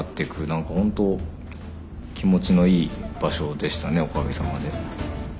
何か本当気持ちのいい場所でしたねおかげさまで。